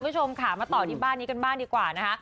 คุณผู้ชมค่ะมาต่อที่บ้านนี้กันบ้างดีกว่านะคะ